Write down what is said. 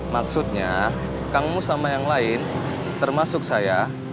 maksudnya kang mus sama yang lain termasuk saya